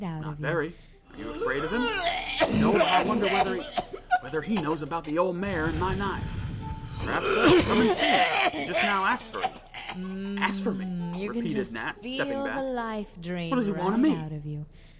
"Not very. Are you afraid of him?" "No; but I wonder whether he whether he knows anything about the old mare and my knife." "Perhaps so; come and see. He just now asked for you." "Asked for me?" repeated Nat, stepping back. "What does he want of me?"